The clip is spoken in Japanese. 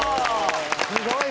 すごい！